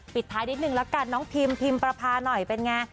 ปิดท้ายนิดนึงละกันน้องพิมพิมประพาหน่อยเป็นไง